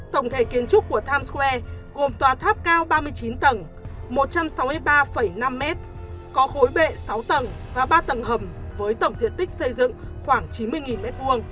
tổng thể kiến trúc của times square gồm tòa tháp cao ba mươi chín tầng một trăm sáu mươi ba năm m có khối bệ sáu tầng và ba tầng hầm với tổng diện tích xây dựng khoảng chín mươi m hai